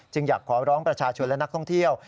อยากขอร้องประชาชนและนักท่องเที่ยว